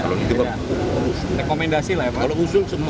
kalau usul semua lah kan boleh